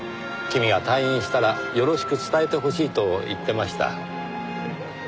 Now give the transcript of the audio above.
君が退院したらよろしく伝えてほしいと言ってました。